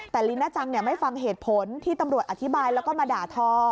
แต่ลีน่าจังไม่ฟังเหตุผลที่ตำรวจอธิบายแล้วก็มาด่าทอ